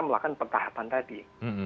melakukan pertahapan tadi hmm